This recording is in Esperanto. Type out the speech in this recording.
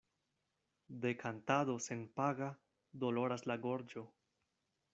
De kantado senpaga doloras la gorĝo.